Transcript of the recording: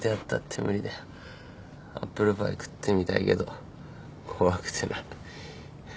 アップルパイ食ってみたいけど怖くてな。